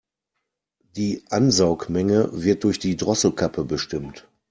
Die Ansaugmenge wird durch die Drosselklappe bestimmt.